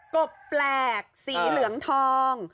กบแปลกสีเหลืองทอง